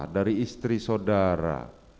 dari istri saudara